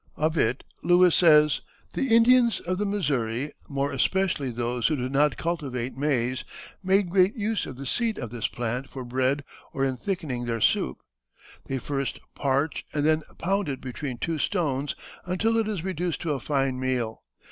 Of it Lewis says: "The Indians of the Missouri, more especially those who do not cultivate maize, make great use of the seed of this plant for bread or in thickening their soup. They first parch and then pound it between two stones until it is reduced to a fine meal.